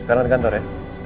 sekarang di kantor ya